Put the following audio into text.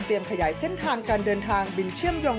ขยายเส้นทางการเดินทางบินเชื่อมโยง